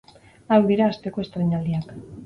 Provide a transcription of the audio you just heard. Hauek dira asteko estreinaldiak.